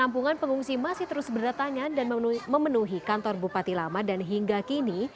kampungan pengungsi masih terus berdatangan dan memenuhi kantor bupati lama dan hingga kini